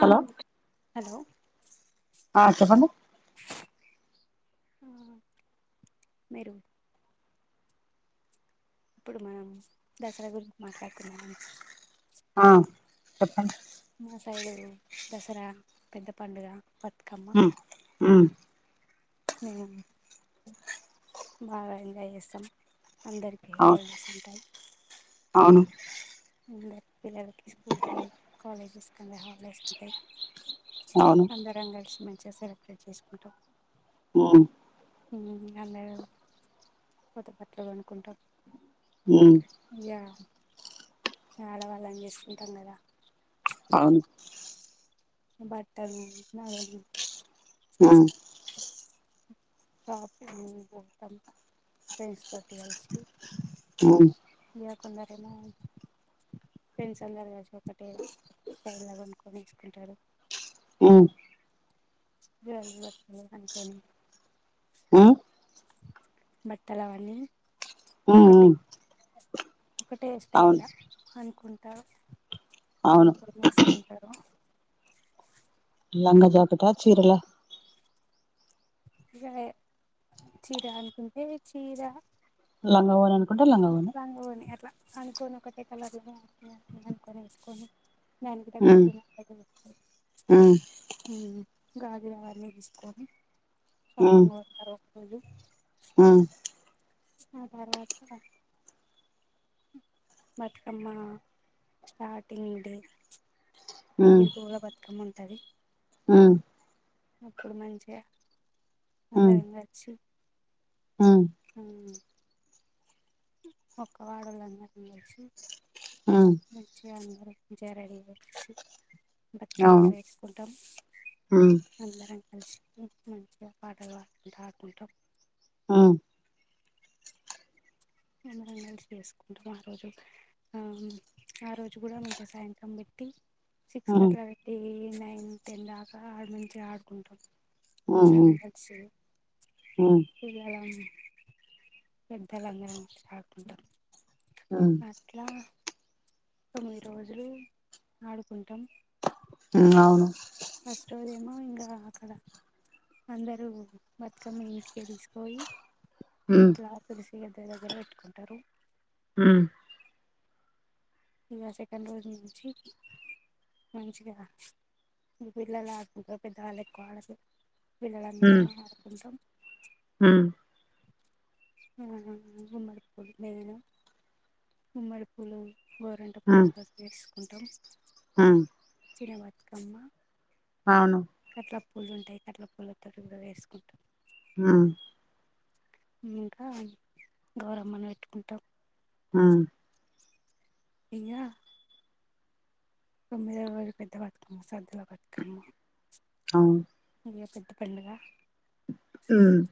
Hello hello ఆ చెప్పండి హ మీరు ఇప్పుడు మనం దసరా గురించి మాట్లాడుకుందామా అండి ఆ చెప్ మా సైడ్ దసరా పెద్ద పండుగ బతుకమ్మ హ్ మేము బాగా ఎంజాయ్ జెస్తాం. అందరికి అవును హాలిడేస్ ఉంటాయి. అవును అందరి పిల్లలకి స్కూల్కి కాలేజెస్ కంగా హాలీడేస్ ఉంటాయి. అవును అందరం కలిసి మంచిగా సే సెలబ్రేట్ చేసుకుంటాం. హ్ ఉమ్ అందరం కొత్త బట్టలు కొనుక్కుంటాం. ఉమ్ య ఆడవాల్లాం జెసుకుంటాం గాదా అవును బట్టలు నగాలు హ్ షాపింగ్ బోతం. ఫ్రెండ్ తోటి అటు కలసి ఉమ్ ఇగా కొందరేమో ఫ్రెండ్స్ అందరు కలిసి ఒకటే స్టైల్లా కొనుక్కోని ఏసుకుంటారు. హ్ [unintelligible] అనుకుని హ్ బట్టలు అవన్నీ హ్ హ్ ఒకటె స్టైల్ల అనుకుం తర్వాత అవును అనుకుని ఏసుకుంటారు. లంగా జాకీటా చీరల ఇగా చీర అనుకుంటే చీర లంగా వోని అని లంగా వోని అట్లా అనుకోని ఒకటే కలర్లు నో నో నో అనుకోని ఏసుకొని దానికి ఉమ్ తగ్గట్టున్నట్టున్న టైప్ ఉమ్ గాజులు అవన్నీ తీసుకొని ఉమ్ షాపింగ్ పోతరు ఒకరోజు ఉమ్ ఆ తర్వాత బతుకమ్మ స్టార్టింగ్ డే ఎంగిలిపూవుల బతుకమ్మ టది హ అప్పుడు మంచిగా ఉమ్ అందరం కలిసి ఉమ్ హా ఒక వాడల అందరం కలిసి ఉమ్ ఉమ్ మంచిగా అందరం మంచిగా రెడీ అయ్యేసి బతుకమ్మ అవును పేర్సుకుంటాం ఉమ్ అందరం కలిసి మంచిగా పాటలు పాడుకుంటా ఆడుకుంటాం ఆ అందరం కలిసి పేర్సుసుకుంటాం ఆ రోజు ఉమ్ ఆ రోజు కూడా మంచిగా సాయంత్రం పెట్టి సిక్స్ ఉమ్ ఉమ్ కట్ల పెట్టీ న నైన్ టెన్ దాకా ఆడు మంచిగా ఆడుకుంటాం అందరం కలిసి ఉమ్ ఉమ్ పిల్లలం పెద్దలందరం ఆడుకుంటాం ఉమ్ అట్లా తొమ్మిది రోజులు ఆడుకుంటాం ఆ అవును ఫస్ట్ రోజేమో ఇంగ అక్కడ అందరూ బతుకమ్మ ఇంటికే తీసుకపోయి ఉమ్ ఇంట్లా తులసి ఇగిద్దరి దగ్గర పెట్టుకుంటరు హ్మ్ ఇగా సెకండ్ రోజు నుంచి మంచిగా పిల్లలే ఆడుకుంటరూ పెద్దవాళ్ళు ఎక్కువ ఆడరు ఉమ్ పిల్లలందరం ఉమ్ ఆడుకుంటాం ఉమ్ ఆ గుమ్మడి పూలు నేను గుమ్మడి పూలు గోరెంట పూల తోట్ చేస్ కుంటాం ఆ కమ్మా ఆను ట్ల పూలుంటాయి కట్ల పూలతో కూడా పేర్సుకుంటం ఆ ఇంకా గౌరమ్మ ని పెట్టుకుంటాం ఉమ్ ఇంగా తొమ్మిదో రోజుపెద్ద బతుకమ్మ సద్దులొ బతుకమ్మ ఆ ఈ రోజుపెద్ద పండుగా ఉమ్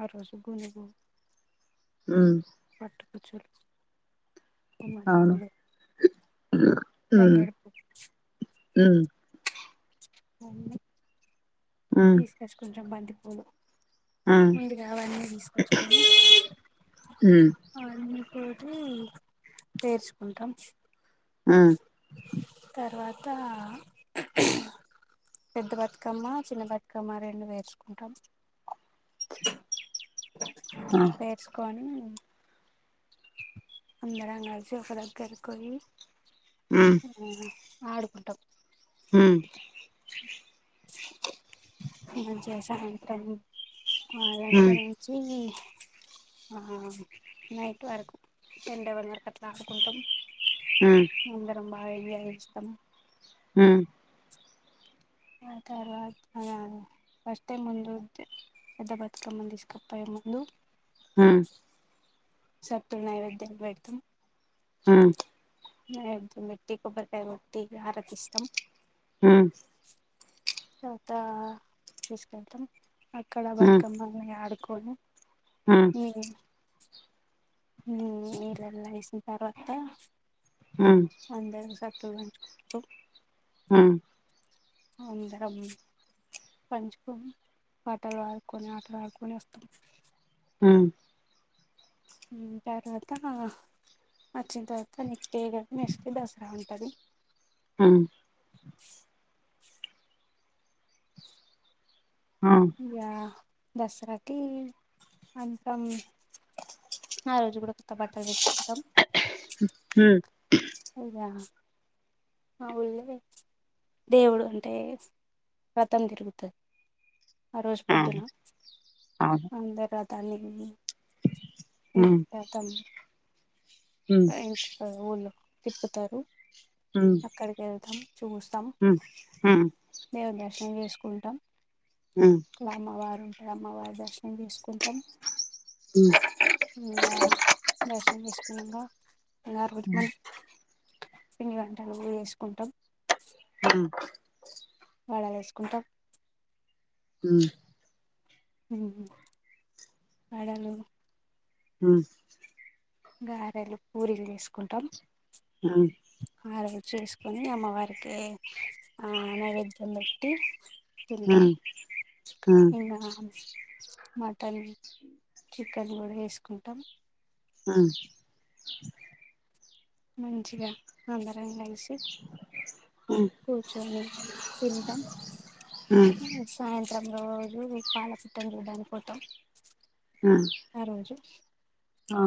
ఆ రోజు గుడికి పో ఉమ్ చలు అవును ఉమ్ తంగడి పూలు ఉమ్ అవును హ్మ్ తీసుకొచ్చు కొంచెం బంతి అవును హ్మ్ ముందు కావాలన్నవి తీసుకచ్చుకని హ్మ్ అన్న పోటి చేర్చుకుంటాం ఆ త పెద్ద బతుకమ్మ చిన్న బతుకమ్మ రెండు వేర్చుకుంటాం ఆ పేర్సుకొని అ అందరం కలిసి ఒక దగ్గరికి పోయి ఆడుకుంటాం ఉమ్ ఏమన్నా చేశావా ఇప్పుడు అండి ఆ హ్మ్ హ్మ్ అదరి నుంచి ఆ నైటువరకు టెన్ డే వరకు అట్లా ఆడుకుంటాం అందరం బా ఆ ఏ ఇష్టం ఉమ్ ఆ తర్వాత ఫస్ట్ టైమ్ ముందు పెద్ద బతుకమ్మను తీసుక పొయ్యే ముందు ఉమ్ సతుల నైవేద్యం పెడతాం ఉమ్ అ మేట్టి కొబ్బరికాయ కోట్టి ఆరతిస్తాం ఆ తంతా తీసుకంటాం అక్కడ బతుకమ్మ అని ఆడు కోను ఆ హ ఈలల్ల ఏసి తర్వాత హ్మ్ అందా స త వంచుకుకు ఆ అందరం పంచుకొని ఆటలు ఆడుకొని ఆటలు ఆడుకొని వస్తాం ఆ తర్వాత వచ్చిన తర్వాత నెక్స్ట్ డే కదా మెక్స్కి దసరా ఉంటాది ఆ హ్మ్ ఇక దసరాకి అద్దం ఆ రోజు కూడా కొత్త బట్టలు తీసుకుంటాం ఇగా ఆ ఊళ్ళే దేవుడు అంటే వ్రతం తిరుగుత ఆ రోజు పొద్దున అందర తాన్నిని మీ హ్మ్ అవును అవును కాతం హ్మ్ ఎంటి ఆ ఊళ్లో తిప్పుతారు అక్కడికి ఎల్తాం హ హ దేవుని చేసుకుంటాం క్రమవారం అమ్మవారి దర్శనం చేసుకుంటామ్ ఇంకా దర్శం చేసుకున్నాక ఇంకా ఆ రోజు మన సేనిగాడు [unintelligible] వేసుకుంటాం ఆ వడలు వేసుకుంటాం మ్ వడలు ఆ. గారెలు పులులు చేసుకుంటాం. ఆ. ఆ రోజు చేసుకొని ఆమ్. ఆ‌ నైవేద్యం బేట్ టి తింటం హ్మ్ హ్మ్ ఇంగా. మటన్ చికెన్ కూడా చేసుకుంటాం. ఆ. మంచిగా అందరం కలిసి. షి కూర్చుని తింటాం హ్మ్ హ్మ్ సాయంత్. ప్రతి రోజు పాలపెట్టిన చూడానికి పోతాం. హ్మ్ ఆ రోజు. ఆ.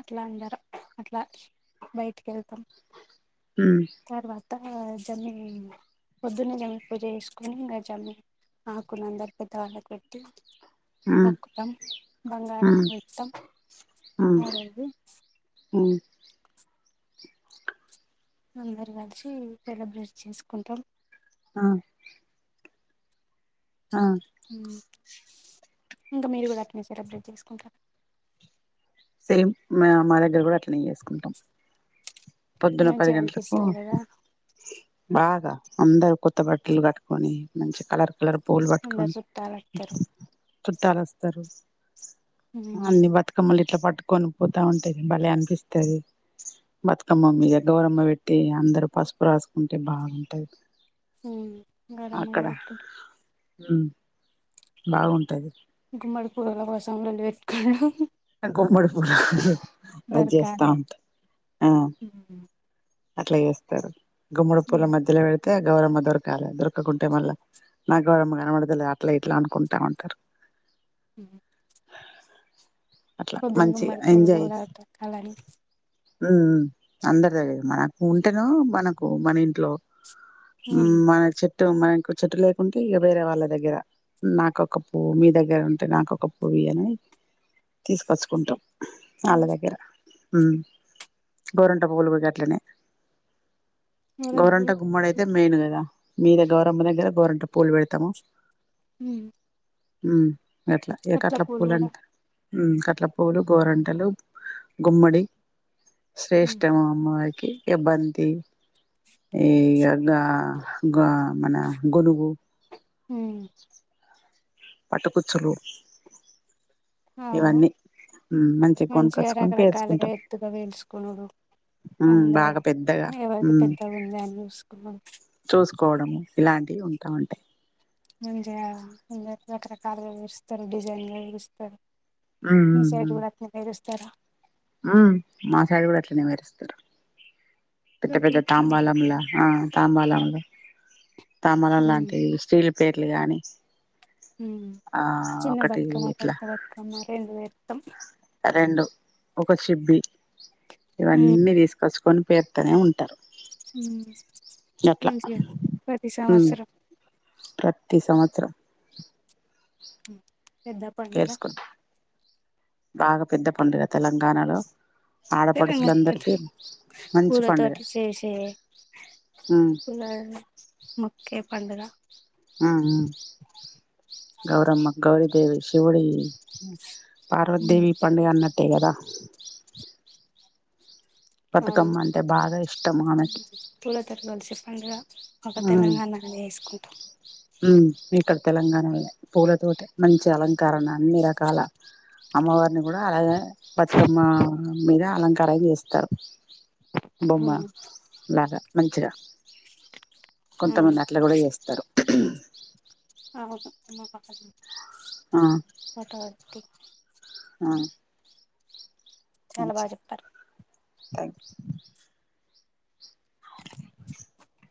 అట్లా అందరం. అట్లా బయటికి వెళ్తాం. ఉమ్. అంతా జమ్మి పొద్దున్నే జమ్మి పూజ చేసుకుని ఇంగ జెమిని ఆకునంత్ హ్మ్ మోకుటం బంగారం హ్మ్ ఇతం. ఆరోజు. మ్ అందరూ కలిసి సెలెబ్రేట్ చేసుకుంటామ్. ఆ. ఆ. ఉమ్ ఇంకా మీరు కూడా అట్లనే సెలబ్రేట్ చేసుకుంటారా. సేమ్ మా దగ్గర కూడా అట్లానే చేసుకుంటాం. పొద్దున పది మంచిగా గంటలకు అనిపిస్తది కదా బాగా. అందరు కొత్త బట్టలు కట్టుకొని మంచి కలర్ కలర్ ఫుల్ అందరు పట్టుకొని. చుట్టాలు చుట్టాలు వస్తారు. వస్తారు అన్ని బతుకమ్మలు ఇప్. ఇట్లా పట్టుకొని పోతుంటే భలే అనిపిస్తది. బతుకమ్మ మీద గౌరమ్మ బట్టి అందరూ పసుపు రాసుకుంటే బాగుంటది. గౌరమ్మ కూడా పెట్టుకుంటాం. ఉమ్. బాగుంటది. గుమ్మడి పూల కోసం లొల్లి పెట్టుకునుడు. గుమ్మడి పూలు. అద్ చేస్తా దొరకాలి ఉంటాం. అట్లా చేస్తాడు గుమ్మడు పూల మధ్యలో వెళ్ళ అయితే గౌరమ్మ దొరకాలి దొరకకుంటే మళ్ళ నా గౌరమ్మ కనబడదులే అట్లా ఇట్లా అనుకుంటా ఉంటారు - [inaudible] అట్లా రుద్రంగా మంచిగా మరి పడుగో తక్కాలని ఉ ఉ అందరిది అదే మనకు ఉంటేను మనకు మన ఇంట్లో హ్మ్ మన చే చెట్టు మనకు చెట్టు లేకుంటే ఇక వేరే వాళ్ళ దగ్గర నాకొక పువ్వు మీ దగ్గర ఉంటే నాకొక పువ్వు ఇయ్య అని తీసుకొచ్చుకుంటాం అళ్లదగ్గర హు గోరంట పూలు గా ట్లనే ఊరంగి గౌరంట పూలు గుమ్మడి అయితే మెయిన్ కదా మీద గౌరంబ దగ్ కదా గౌరంట పోల్ పెడతామ - [inaudible] హ ఎట్లా ఏకట్లా పూల అం కూడా కట్ల పూలు గోరంటలు గుమ్మడి శ్రేష్టముమో ఇగ బంతి ఇగ మన గొలుగు పటకుచ్చులు అవును మంచిగా కొనుకొచ్చుకొని రకరకాలుగా పేర్చుకుంటాం ఎత్తుగా వేలుసుకునుడు ఉమ్ అందరూ బాగా పెద్దగా ఏవైతే ఉమ్ పెద్దగ ఉంద అని చూసుకున్నా కోవడము ఇలాంటివి ఉంటూ ఉంటాయి ఏం చేయాలా రకరకాలుగా వేస్తరు డిజైన్లు ఇస్తారు మీ సైడ్ చూడండి వేస్ తరా ఉ మా సైడ్ కూడా అట్లనే పేరుస్తారు పెద్ద పెద్ద తాంబాలంల తాంబాలంల [inaudible] తంబాలం లాంటి రకరకాల స్త్రీల్ పేర్లు కానీ చిన్న బతుకమ్మ ఇట్లా పెద్ద బతుకమ్మ రెండు త్తం రెండు ఒక సిబ్బి ఇవన్నీ తీసుకొచ్చుకొని పేతనే ఉన్ హమ్ అట్లా మంచిగా ప్రతి ఉమ్ సంవత్సరం ప్రతి సంవత్సరం పెద్ద పండుగ తాగ పెద్ద పండగ తెలంగాణలో తెలంగాణ పెద్ద ఆడపడుచులందరికీ మంచి పండుగ పూలతోటి చేసే హుమ్ పండగ ఆ ఆ గౌరమ్మ గౌరీదేవి శివుడీ పార్వదేవి పండుగన్నట్టే కదా అవును బతుకమ్మ అంటే బాగా ఇష్టం తుల తరగాలు చెప్పండ హ్ ఇక్కడ ఉహ్ తెలంగాణాలానే పూలతో మంచి అలంకారణ అన్ని రకాల అమ్మవారిని కూడా అలాగే బతుకమ్మ మీరా అలంకార జేస్తారు బొమ్మ లాగా మంచిగా అవును కొంతమంది అట్లా కూడా జేస్తారు అవుదు ఉమ పక్క ఆ మటవట్టి ఆ చాలా బాగా చెప్తారు థ్యాంక్ యు అలాగానే